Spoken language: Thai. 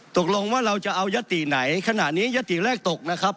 ตกลงว่าเราจะเอายติไหนขณะนี้ยติแรกตกนะครับ